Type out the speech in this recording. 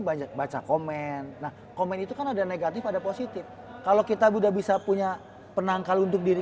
banyak baca komen nah komen itu kan ada negatif ada positif kalau kita udah bisa punya penangkal untuk diri